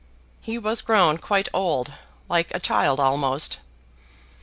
He was grown quite old, like a child almost.